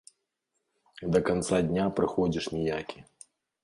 Да канца дня прыходзіш ніякі.